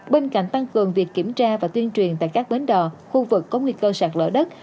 bên cạnh tăng cường việc kiểm tra và tuyên truyền tại các bến đò khu vực có nguy cơ sạt lỡ đất